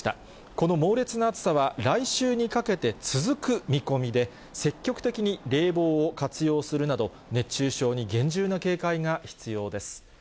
この猛烈な暑さは、来週にかけて続く見込みで、積極的に冷房を活用するなど、熱中症に厳重な警戒が必要です。